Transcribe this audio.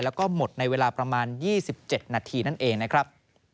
แล้วก็หมดในเวลาประมาณ๒๗นาทีนั่นเองนะครับ